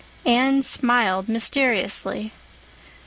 Anne smiled mysteriously.